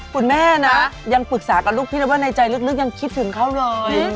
คุณแม่นะยังปรึกษากับลูกพี่เลยว่าในใจลึกยังคิดถึงเขาเลย